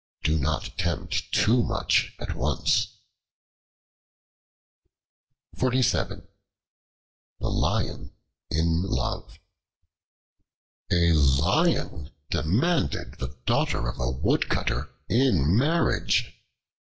Do not attempt too much at once. The Lion in Love A LION demanded the daughter of a woodcutter in marriage.